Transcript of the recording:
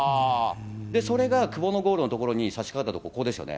それが久保のゴールのところにさしかかったところ、ここですよね。